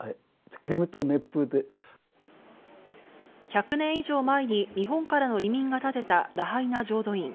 １００年以上前に、日本からの移民が建てたラハイナ浄土院。